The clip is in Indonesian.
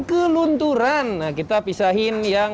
kelunturan kita pisahin yang